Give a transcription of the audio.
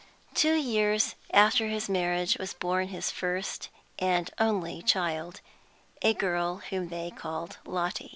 Two years after his marriage was born his first and only child, a girl whom they called Lotty.